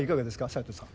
斎藤さん。